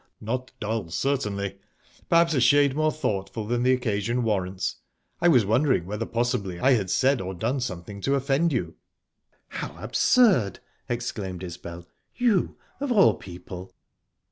"Not dull, certainly. Perhaps a shade more thoughtful than the occasion warrants. I was wondering whether possibly I had said or done something to offend you?" "How absurd!" exclaimed Isbel. "You of all people."